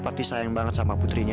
pasti itu surat ada di sini